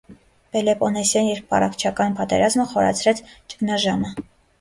Պելոպոնեսյան երկպառակտչական պատերազմը խորացրեց ճգնաժամը։